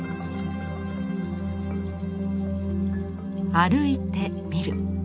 歩いてみる。